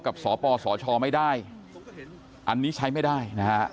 กับสปสชไม่ได้อันนี้ใช้ไม่ได้นะครับ